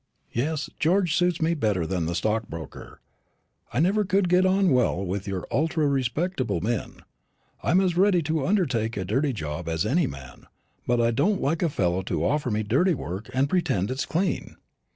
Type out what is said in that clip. "Yes, George suits me better than the stockbroker. I never could get on very well with your ultra respectable men. I'm as ready to 'undertake a dirty job' as any man; but I don't like a fellow to offer me dirty work and pretend it's clean."